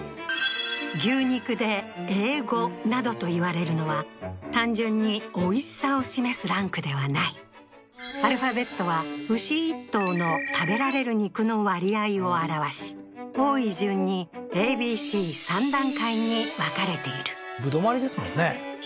牛肉でＡ５などといわれるのは単純においしさを示すランクではないアルファベットは牛１頭の食べられる肉の割合を表わし多い順にＡＢＣ３段階に分かれている歩留まりですもんね